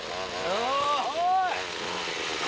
おい！